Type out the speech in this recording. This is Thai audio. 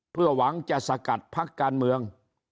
เพื่อหวังจะสกัดพักการเมือง